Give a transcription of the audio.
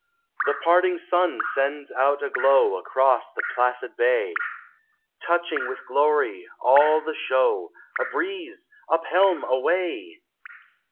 The parting sun sends out a glow Across the placid bay, Touching with glory all the show. — A breeze! Up helm! A way!